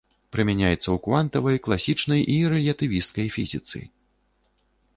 Прымяняецца ў квантавай, класічнай і рэлятывісцкай фізіцы.